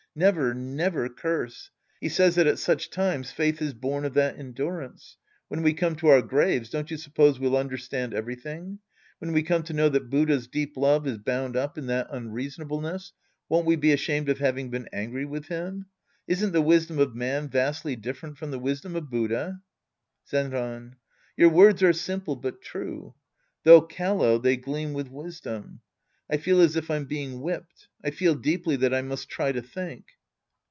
Never, never curse. He says that at such times faith is born of that endurance. When we come to our graves, don't you suppose we'll understand everything ? When we come to know that Buddha's deep love is bound up in that unreason ableness, won't we be ashamed of having been angry with him ? Isn't the wisdom of man vastly different from the wisdom of Buddha ? Zenran. Your words are simple but true. Though callow, they gleam with wisdom. I feel as if I'm being whipped. I feel deeply that I must try to think.